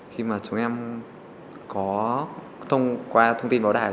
khi mà chúng em có thông qua thông tin báo đài